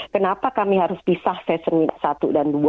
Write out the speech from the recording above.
kenapa kami harus pisah session satu dan dua